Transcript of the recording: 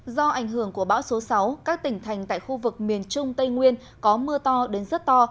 do ảnh hưởng của bão số sáu các tỉnh thành tại khu vực miền trung tây nguyên có mưa to đến rất to